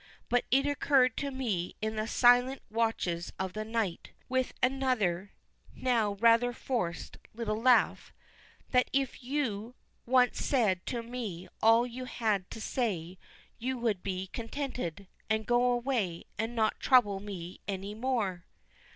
But it occurred to me in the silent watches of the night," with another, now rather forced, little laugh, "that if you once said to me all you had to say, you would be contented, and go away and not trouble me any more."